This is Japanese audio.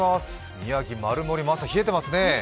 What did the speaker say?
宮城県丸森も朝、冷えていますね。